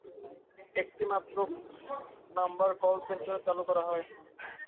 একটি মাত্র number call centre চালু করা হয়।